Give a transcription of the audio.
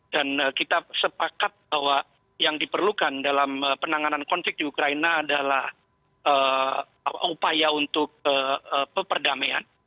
dan kita sepakat bahwa yang diperlukan dalam penanganan konflik di ukraina adalah upaya untuk peperdamaian